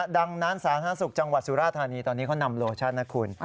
ดังนั้นสาธารณสุขจังหวัดสุราธานีตอนนี้เขานำโลชั่นนะคุณ